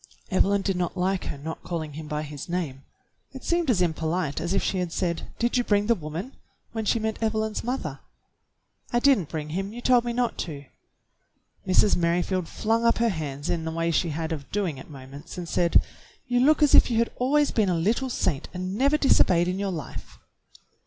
Evelyn did not like her not calling him by his name. It seemed as impolite as if she had said, "Did you bring the woman .f^" when she meant Evelyn's mother. "I did n't bring him. You told me not to." Mrs. Merrifield flung up her hands in a way she had of doing at moments, and said, "You look as if you had always been a little saint and never disobeyed in your life."